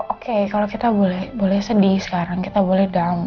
oke kalau kita boleh sedih sekarang kita boleh down